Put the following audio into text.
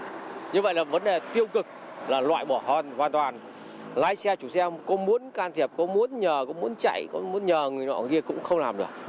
như vậy là vấn đề tiêu cực là loại bỏ hoàn toàn lái xe chủ xe có muốn can thiệp có muốn nhờ có muốn chạy có muốn nhờ người nọ kia cũng không làm được